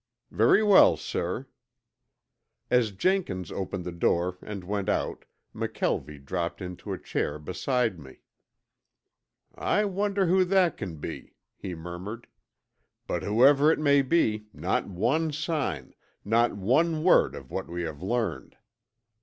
"Very well, sir." As Jenkins opened the door and went out McKelvie dropped into a chair beside me. "I wonder who that can be," he murmured, "but whoever it may be, not one sign, not one word of what we have learned."